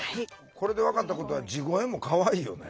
これで分かったことは地声もかわいいよね。